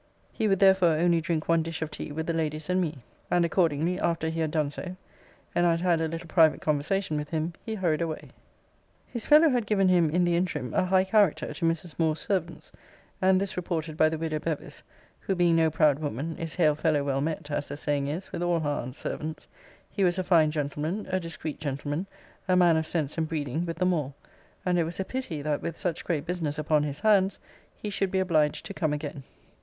He would therefore only drink one dish of tea with the ladies and me. And accordingly, after he had done so, and I had had a little private conversation with him, he hurried away. His fellow had given him, in the interim, a high character to Mrs. Moore's servants: and this reported by the widow Bevis (who being no proud woman, is hail fellow well met, as the saying is, with all her aunt's servants) he was a fine gentleman, a discreet gentleman, a man of sense and breeding, with them all: and it was pity, that, with such great business upon his hands, he should be obliged to come again.